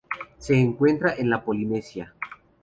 Se encuentra en la Polinesia.